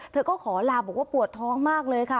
เธอก็ขอลาบอกว่าปวดท้องมากเลยค่ะ